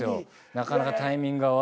なかなかタイミングが合わず。